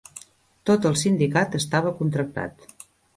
Tot el sindicat estava contractat.